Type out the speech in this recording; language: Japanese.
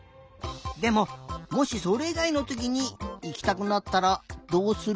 でももしそれいがいのときにいきたくなったらどうする？